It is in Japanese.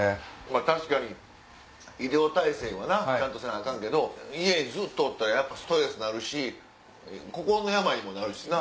確かに医療体制はちゃんとせなアカンけど家にずっとおったらストレスになるし心の病にもなるしな。